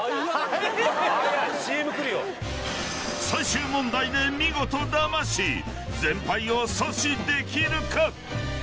［最終問題で見事ダマし全敗を阻止できるか］